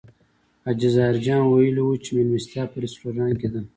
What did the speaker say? حاجي ظاهر جان ویلي و چې مېلمستیا په رستورانت کې ده.